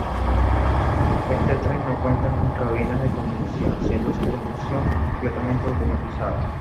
Este tren no cuenta con cabinas de conducción, siendo su conducción completamente automatizada.